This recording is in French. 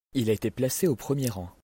Il a été placé au premier rang.